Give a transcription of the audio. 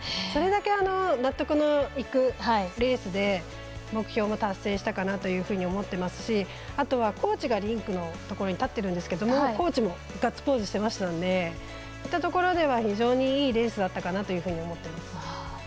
それだけ納得のいくレースで目標も達成したかなと思っていますしあとはコーチがリンクのところに立ってるんですがコーチもガッツポーズしてましたのでそういったところでは非常にいいレースだったかなと思っています。